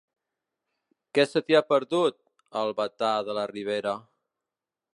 Què se t'hi ha perdut, a Albalat de la Ribera?